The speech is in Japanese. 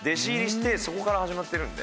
そこから始まってるんで。